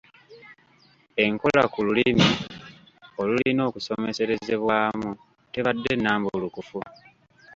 Enkola ku lulimi olulina okusomeserezebwamu tebadde nnambulukufu.